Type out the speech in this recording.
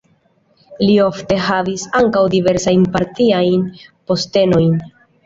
Li ofte havis ankaŭ diversajn partiajn postenojn.